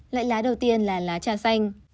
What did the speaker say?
loại lá đầu tiên là lá trà xanh